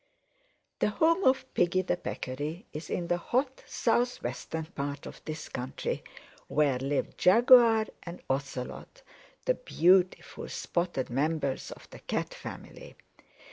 "The home of Piggy the Peccary is in the hot southwestern part of this country, where live Jaguar and Ocelot, the beautiful spotted members of the Cat family.